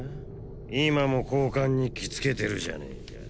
今も交換日記つけてるじゃねえか